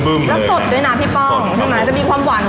แล้วสดด้วยนะพี่ป้องใช่ไหมจะมีความหวาน